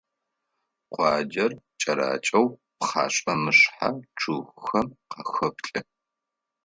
Къуаджэр кӀэракӀэу пхъэшъхьэ-мышъхьэ чъыгхэм къахэплъы.